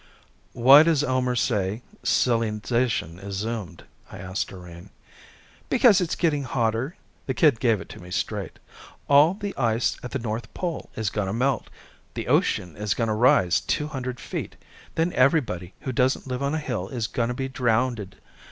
"Why does Elmer say silly zation is doomed?" I asked Doreen. "Because it's getting hotter." The kid gave it to me straight. "All the ice at the North Pole is gonna melt. The ocean is gonna rise two hundred feet. Then everybody who doesn't live on a hill is gonna be drownded.